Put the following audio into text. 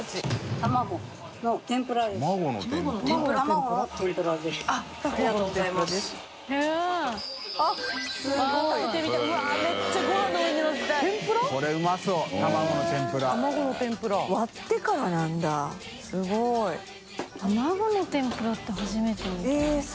卵の天ぷらって初めて見た。